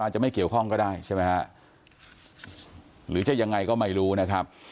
จะไม่เกี่ยวข้องก็ได้ใช่ไหมฮะหรือจะยังไงก็ไม่รู้นะครับ